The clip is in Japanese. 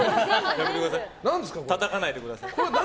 たたかないでください。